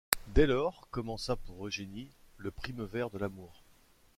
Dès lors commença pour Eugénie le primevère de l’amour.